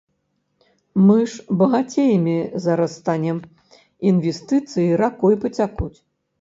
Мы ж багацеямі зараз станем, інвестыцыі ракой пацякуць.